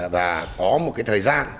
và có một cái thời gian